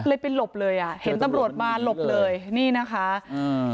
เลยไปหลบเลยอ่ะเห็นตำรวจมาหลบเลยนี่นะคะอืม